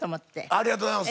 ありがとうございます。